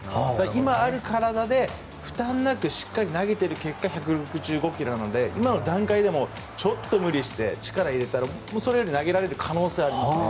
今ある体で、負担なくしっかり投げている結果１６５ｋｍなので今の段階でもちょっと無理して力入れたらそれより投げられる可能性はありますね。